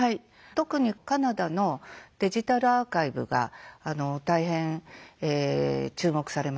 特にカナダのデジタルアーカイブが大変注目されます。